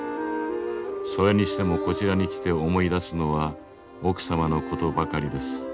それにしてもこちらに来て思い出すのは奥様のことばかりです」。